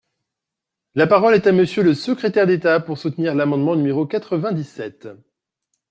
La parole est à Monsieur le secrétaire d’État, pour soutenir l’amendement numéro quatre-vingt-dix-sept.